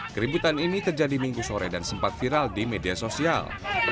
keributan ini terjadi minggu sore dan sempat viral di media sosial